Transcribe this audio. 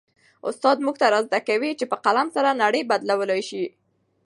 استاد موږ ته را زده کوي چي په قلم سره نړۍ بدلولای سي.